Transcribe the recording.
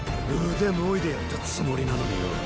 腕もいでやったつもりなのによ。